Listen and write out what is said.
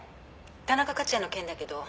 田中克也の件だけど」